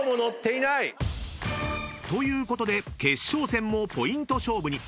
［ということで決勝戦もポイント勝負に］